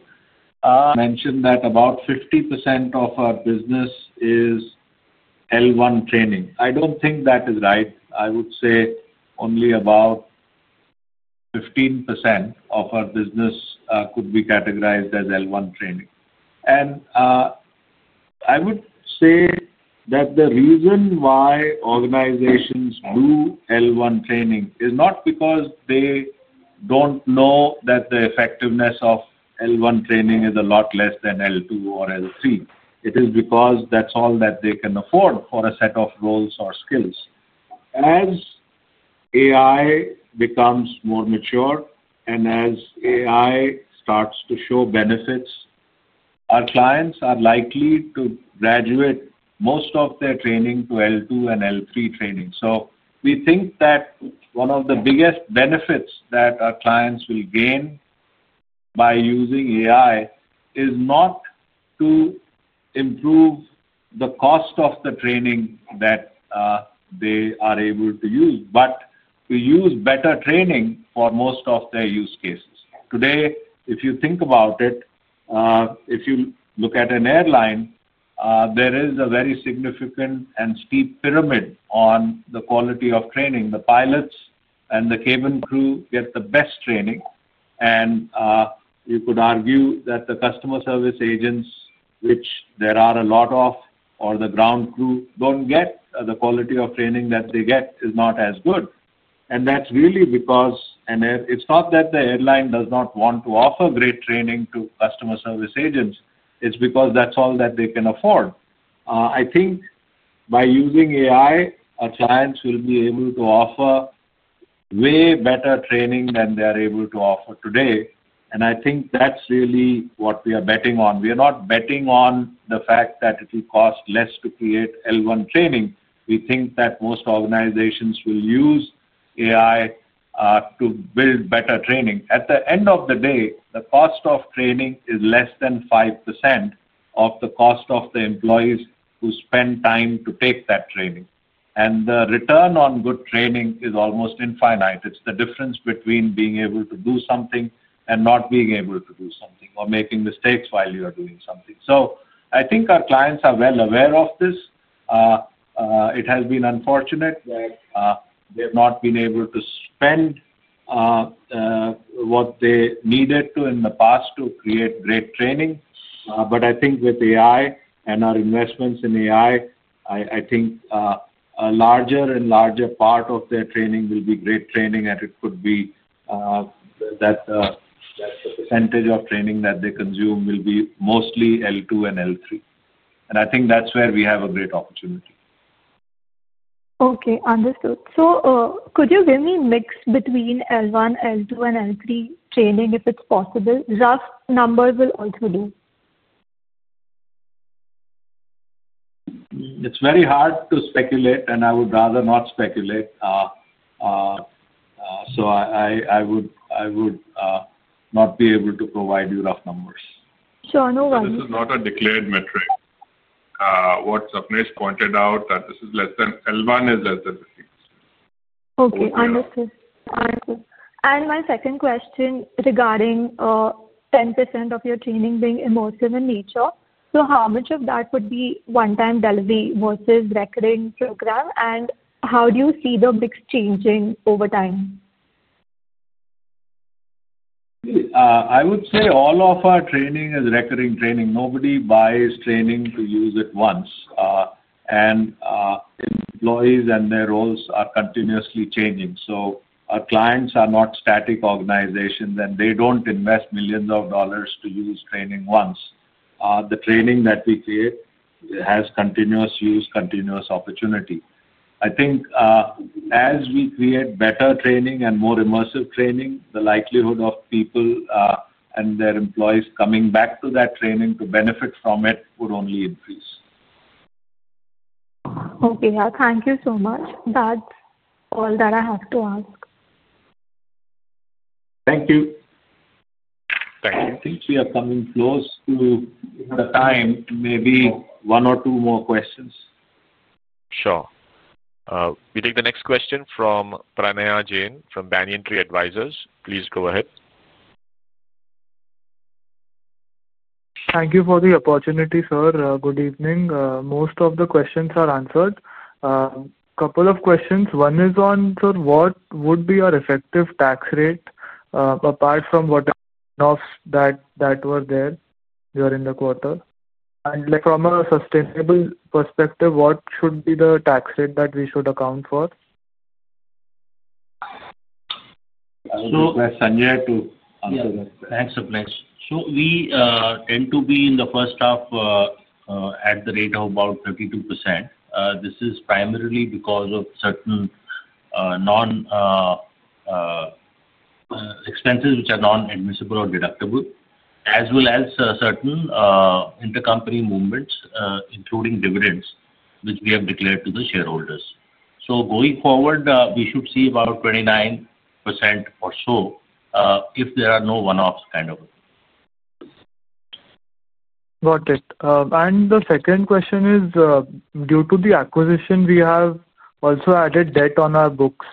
Mentioned that about 50% of our business is L1 training. I don't think that is right. I would say only about 15% of our business could be categorized as L1 training. I would say that the reason why organizations do L1 training is not because they don't know that the effectiveness of L1 training is a lot less than L2 or L3. It is because that's all that they can afford for a set of roles or skills. As AI becomes more mature and as AI starts to show benefits, our clients are likely to graduate most of their training to L2 and L3 training. We think that one of the biggest benefits that our clients will gain by using AI is not to improve the cost of the training that they are able to use, but to use better training for most of their use cases. Today, if you think about it. If you look at an airline, there is a very significant and steep pyramid on the quality of training. The pilots and the cabin crew get the best training. You could argue that the customer service agents, which there are a lot of, or the ground crew do not get the quality of training that they get, is not as good. That is really because it is not that the airline does not want to offer great training to customer service agents. It is because that is all that they can afford. I think by using AI, our clients will be able to offer way better training than they are able to offer today. I think that is really what we are betting on. We are not betting on the fact that it will cost less to create L1 training. We think that most organizations will use AI to build better training. At the end of the day, the cost of training is less than 5% of the cost of the employees who spend time to take that training. The return on good training is almost infinite. It is the difference between being able to do something and not being able to do something or making mistakes while you are doing something. I think our clients are well aware of this. It has been unfortunate that they have not been able to spend what they needed to in the past to create great training. I think with AI and our investments in AI, a larger and larger part of their training will be great training. It could be that the percentage of training that they consume will be mostly L2 and L3. I think that's where we have a great opportunity. Okay. Understood. Could you give me a mix between L1, L2, and L3 training if it's possible? Rough numbers will also do. It's very hard to speculate, and I would rather not speculate. I would not be able to provide you rough numbers. Sure. No worries. This is not a declared metric. What Sapnesh pointed out, that this is less than L1 is less than 15%. Okay. Understood. My second question regarding 10% of your training being immersive in nature. How much of that would be one-time delivery versus recurring program? How do you see the mix changing over time? I would say all of our training is recurring training. Nobody buys training to use it once. Employees and their roles are continuously changing. Our clients are not static organizations, and they do not invest millions of dollars to use training once. The training that we create has continuous use, continuous opportunity. I think as we create better training and more immersive training, the likelihood of people and their employees coming back to that training to benefit from it would only increase. Okay. Thank you so much. That's all that I have to ask. Thank you. Thank you. I think we are coming close to the time. Maybe one or two more questions. Sure. We take the next question from Pranaya Jain from Banyan Tree Advisors. Please go ahead. Thank you for the opportunity, sir. Good evening. Most of the questions are answered. A couple of questions. One is on, sir, what would be our effective tax rate? Apart from what that were there during the quarter? From a sustainable perspective, what should be the tax rate that we should account for? I'll give my Sanjay Mall to answer that. Thanks, Sapnesh. We tend to be in the first half at the rate of about 32%. This is primarily because of certain expenses which are non-admissible or deductible, as well as certain intercompany movements, including dividends, which we have declared to the shareholders. Going forward, we should see about 29% or so if there are no one-offs kind of. Got it. The second question is, due to the acquisition, we have also added debt on our books.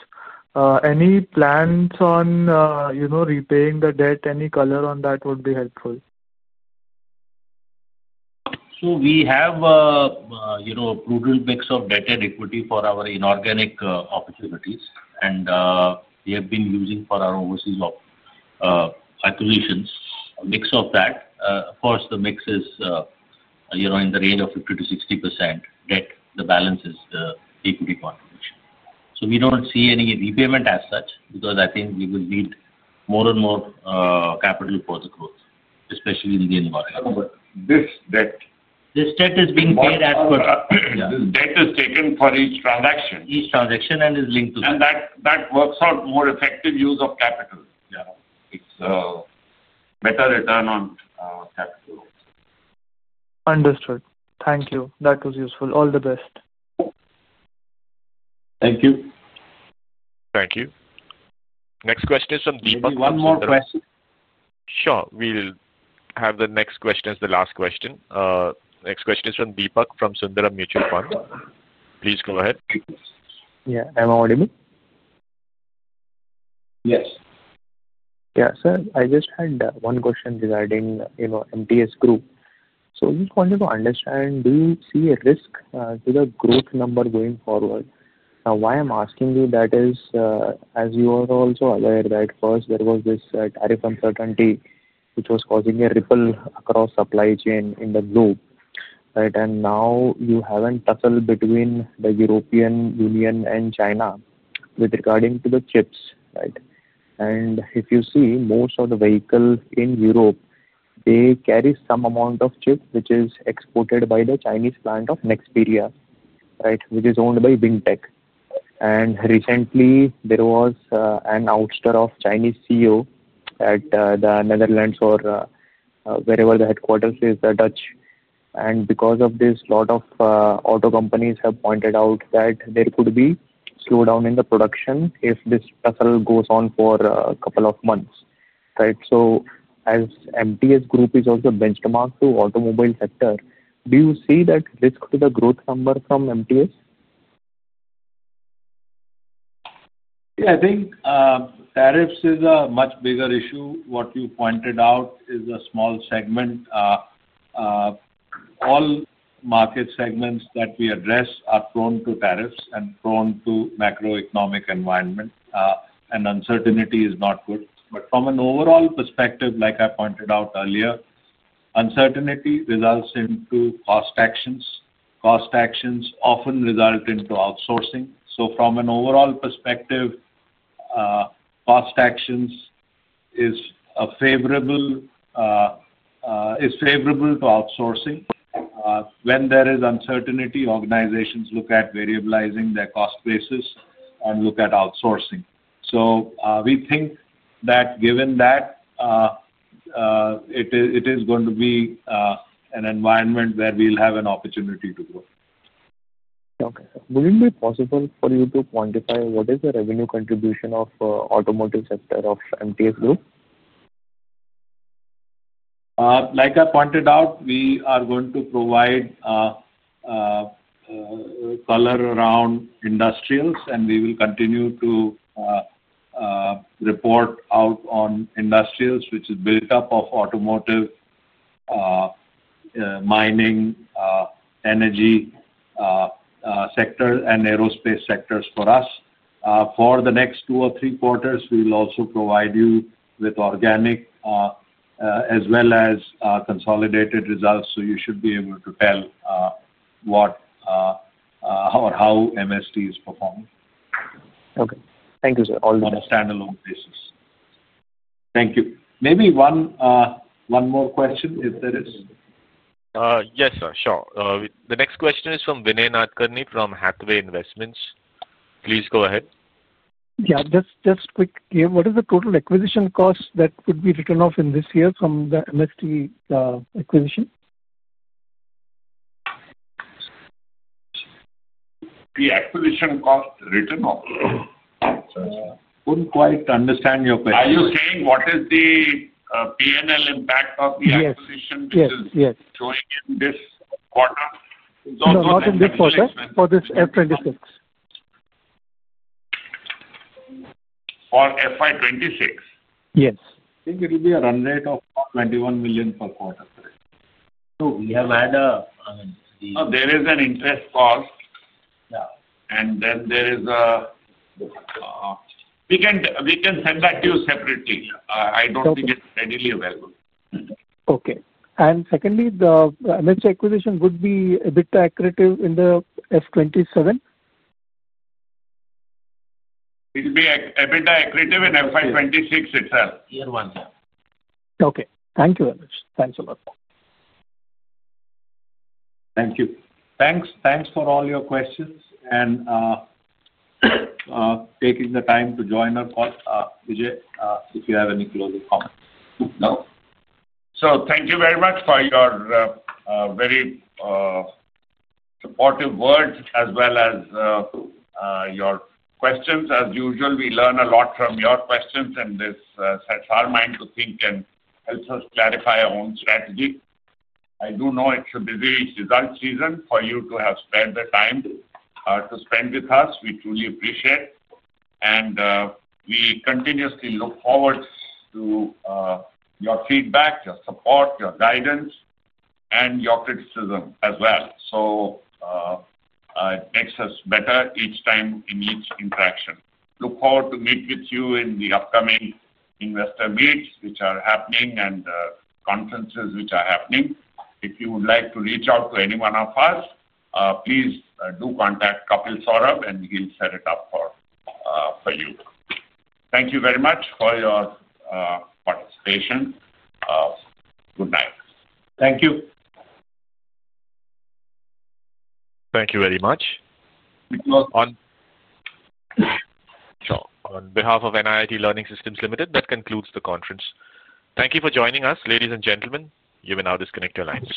Any plans on repaying the debt? Any color on that would be helpful. We have a brutal mix of debt and equity for our inorganic opportunities. We have been using for our overseas acquisitions a mix of that. Of course, the mix is in the range of 50-60% debt, the balance is the equity contribution. We do not see any repayment as such because I think we will need more and more capital for the growth, especially in the inorganic. This debt is being paid as per. This debt is taken for each transaction, each transaction, and is linked to, and that works out more effective use of capital. Yeah. It is a better return on capital. Understood. Thank you. That was useful. All the best. Thank you. Thank you. Next question is from Deepak. One more question. Sure. We'll have the next question as the last question. Next question is from Deepak Kumar from Sundaram Mutual Fund. Please go ahead. Yeah. Am I audible? Yes. Yeah, sir. I just had one question regarding MST Group. I just wanted to understand, do you see a risk to the growth number going forward? Now, why I'm asking you that is, as you are also aware that first, there was this tariff uncertainty, which was causing a ripple across supply chain in the globe, right? Now you have a tussle between the European Union and China with regard to the chips, right? If you see, most of the vehicles in Europe, they carry some amount of chips, which is exported by the Chinese plant of Nexperia, right, which is owned by Wingtech. Recently, there was an ouster of the Chinese CEO at the Netherlands or wherever the headquarters is, the Dutch. Because of this, a lot of auto companies have pointed out that there could be a slowdown in the production if this tussle goes on for a couple of months, right? As MST Group is also benchmarked to the automobile sector, do you see that risk to the growth number from MST? Yeah. I think tariffs is a much bigger issue. What you pointed out is a small segment. All market segments that we address are prone to tariffs and prone to macroeconomic environment. Uncertainty is not good. From an overall perspective, like I pointed out earlier, uncertainty results into cost actions. Cost actions often result in outsourcing. From an overall perspective, cost actions is favorable to outsourcing. When there is uncertainty, organizations look at variabilizing their cost basis and look at outsourcing. We think that given that, it is going to be an environment where we'll have an opportunity to grow. Okay. Will it be possible for you to quantify what is the revenue contribution of the automotive sector of MST Group? Like I pointed out, we are going to provide color around industrials, and we will continue to report out on industrials, which is built up of automotive, mining, energy sector, and aerospace sectors for us. For the next two or three quarters, we will also provide you with organic as well as consolidated results. You should be able to tell how MST is performing. Okay. Thank you, sir. All the best. On a standalone basis. Thank you. Maybe one more question if there is. Yes, sir. Sure. The next question is from Vinay Nadkarni from Hathway Investments. Please go ahead. Yeah. Just quick. What is the total acquisition cost that would be written off in this year from the MST acquisition? The acquisition cost written off? I couldn't quite understand your question. Are you saying what is the P&L impact of the acquisition which is showing in this quarter? It's not in this quarter. For this F26. For FY26? Yes. I think it will be a run rate of $21 million per quarter. We have had a. There is an interest cost. There is. We can send that to you separately. I do not think it is readily available. Okay. Secondly, the MST acquisition would be a bit accurate in the F2027? It will be a bit accurate in FY 2026 itself. Okay. Thank you very much. Thanks a lot. Thank you. Thanks for all your questions and taking the time to join our call. Vijay, if you have any closing comments. Thank you very much for your very supportive words as well as your questions. As usual, we learn a lot from your questions, and this sets our mind to think and helps us clarify our own strategy. I do know it should be the results season for you to have spent the time to spend with us. We truly appreciate. We continuously look forward to your feedback, your support, your guidance, and your criticism as well. It makes us better each time in each interaction. Look forward to meeting with you in the upcoming investor meets, which are happening, and conferences which are happening. If you would like to reach out to any one of us, please do contact Kapil Saurabh, and he'll set it up for you. Thank you very much for your participation. Good night. Thank you. Thank you very much. It was on. Sure. On behalf of NIIT Learning Systems Limited, that concludes the conference. Thank you for joining us, ladies and gentlemen. You may now disconnect your lines.